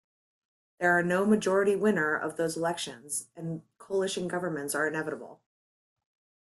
There are no majority winner of those elections and coalition governments are inevitable.